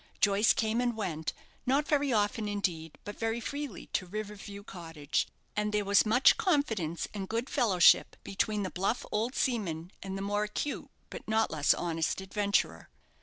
Joyce came and went, not very often indeed, but very freely to River View Cottage, and there was much confidence and good fellowship between the bluff old seaman and the more acute, but not less honest, adventurer.